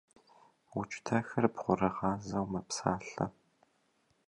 Укӏытэхыр бгъурыгъазэу мэпсалъэ.